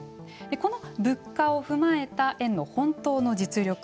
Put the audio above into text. この物価を踏まえた円の本当の実力